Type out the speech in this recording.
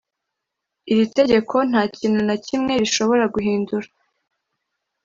Iri tegeko nta kintu na kimwe rishobora guhindura